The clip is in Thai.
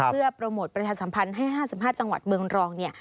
เพื่อโปรโมทประชาสัมพันธ์ให้๕๕จังหวัดเมืองรองเนี่ย